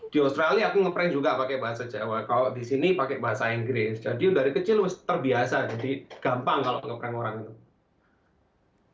di australia aku nge prank juga pakai bahasa jawa kalau di sini pakai bahasa inggris jadi dari kecil terbiasa jadi gampang kalau nge prank orang itu